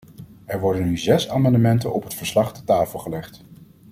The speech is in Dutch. Er worden nu zes amendementen op het verslag ter tafel gelegd.